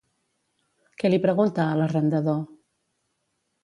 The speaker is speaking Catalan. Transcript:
Què li pregunta a l'arrendador?